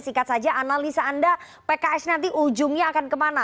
singkat saja analisa anda pks nanti ujungnya akan kemana